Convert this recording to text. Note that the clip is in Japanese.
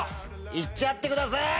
いっちゃってください！」